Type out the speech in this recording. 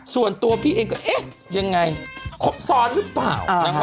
ส่วนตัวพี่เองก็เอ๊ะยังไงครบซ้อนหรือเปล่านะคะ